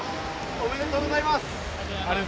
ありがとうございます。